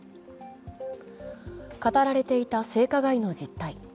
語られていた性加害の実態。